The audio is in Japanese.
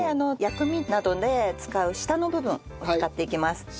薬味などで使う下の部分を使っていきます。